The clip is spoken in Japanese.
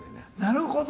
なるほど。